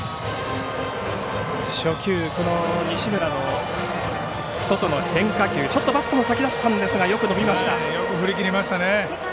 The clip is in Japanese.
初球、西村の外の変化球ちょっとバットの先だったんですよく振り切りました。